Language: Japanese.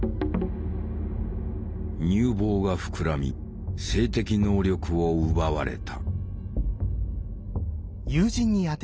乳房が膨らみ性的能力を奪われた。